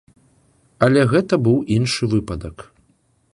Але гэта быў іншы выпадак.